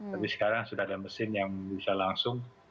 tapi sekarang sudah ada mesin yang bisa langsung